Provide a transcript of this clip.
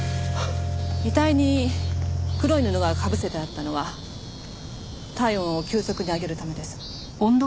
遺体に黒い布がかぶせてあったのは体温を急速に上げるためです。